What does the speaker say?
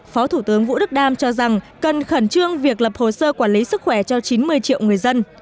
phó thủ tướng vũ đức đam cho rằng cần khẩn trương việc lập hồ sơ quản lý sức khỏe cho chín mươi triệu người dân